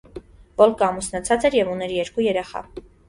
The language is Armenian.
Վոլկը ամուսնացած էր և ուներ երկու երեխա։